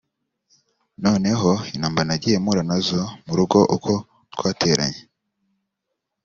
noneho intambara nagiye mpura nazo mu rugo uko twateranye